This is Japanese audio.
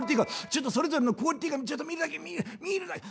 ちょっとそれぞれのクオリティーがちょっと見るだけ見る見るだけ」。